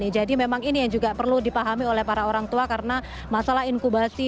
jadi memang ini yang juga perlu dipahami oleh para orang tua karena masalah inkubasi